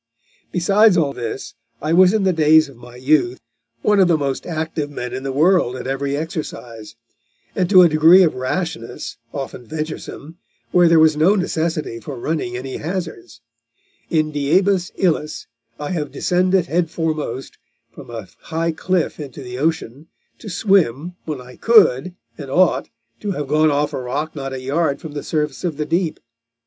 Besides all this, I was in the days of my youth, one of the most active men in the world at every exercise; and to a degree of rashness, often venturesome, when there was no necessity for running any hazards; in diebus illis, I have descended headforemost, from a high cliff into the ocean, to swim, when I could, and ought, to have gone off a rock not a yard from the surface of the deep.